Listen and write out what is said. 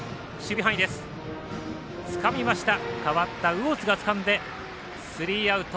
魚津がつかんでスリーアウト。